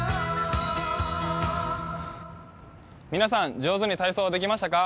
皆さん上手に体操できましたか？